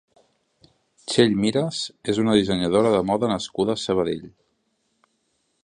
Txell Miras és una dissenyadora de moda nascuda a Sabadell.